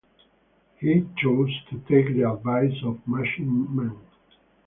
He chose to take the advice of machine men.